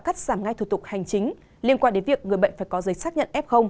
cắt giảm ngay thủ tục hành chính liên quan đến việc người bệnh phải có giấy xác nhận f